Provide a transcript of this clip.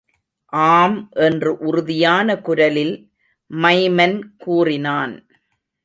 ஆம் என்று உறுதியான குரலில் மைமன் கூறினான்.